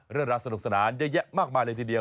เรื่องราวสนุกสนานเยอะแยะมากมายเลยทีเดียว